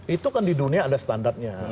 itu kan di dunia ada standarnya